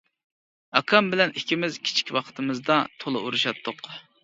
ئاكام بىلەن ئىككىمىز كىچىك ۋاقتىمىزدا تولا ئۇرۇشاتتۇق.